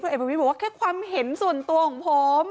เอกประวิทย์บอกว่าแค่ความเห็นส่วนตัวของผม